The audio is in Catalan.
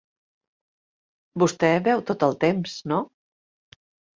Vostè beu tot el temps, no?